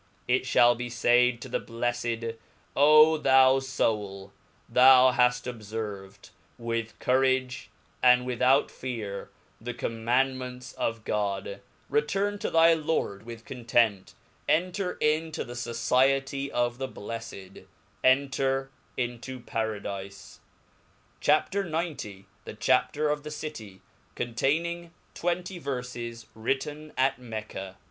It ihalibe faid to the bleffed, O thou foul / that haft obferved with cou rage, and without fear the Commandments of God, return to thy Lord with content, enter into thefociety of the blefled, en ter into Pa:radile. CHAP. XC. The (Chapter of the Citjy containing twenty Verfes^ ^ritti^i At Mecca.